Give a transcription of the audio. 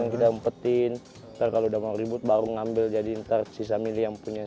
kapan tempatnya di mana